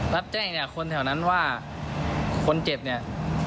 รับแจ้งจากคนแถวนั้นว่าคนเจ็บเนี่ย